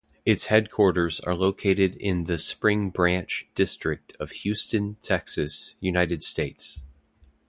Its headquarters are located in the Spring Branch district of Houston, Texas, United States.